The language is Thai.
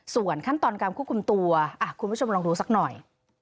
ส่วนขั้นตอนการควบคุมตัวคุณผู้ชมลองดูสักหน่อย